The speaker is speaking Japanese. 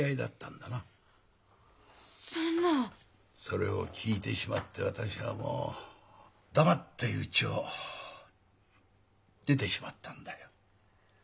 それを聞いてしまって私はもう黙ってうちを出てしまったんだよ。